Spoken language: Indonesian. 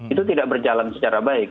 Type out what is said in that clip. itu tidak berjalan secara baik